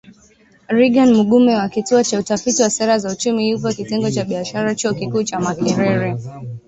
Reagan Mugume wa Kituo cha Utafiti wa Sera za Uchumi, yupo Kitengo cha Biashara Chuo Kikuu cha Makerere